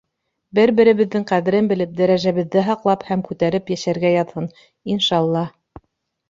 Бер-беребеҙҙең ҡәҙерен белеп, дәрәжәбеҙҙе һаҡлап һәм күтәреп йәшәргә яҙһын, иншаллаһ.